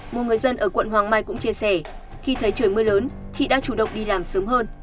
một người dân ở quận hoàng mai cũng chia sẻ khi thấy trời mưa lớn chị đã chủ động đi làm sớm hơn